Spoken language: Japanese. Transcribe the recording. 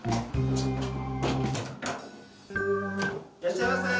いらっしゃいませ！